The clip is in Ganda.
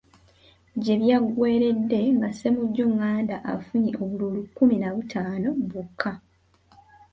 Gye byaggweeredde nga Ssemujju Nganda afunye obululu kkumi na butaano bwokka.